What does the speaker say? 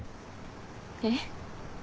えっ？